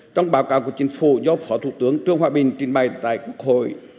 trong báo cáo của chính phủ do phó thủ tướng trương hoa bình trình bày tại cuộc hội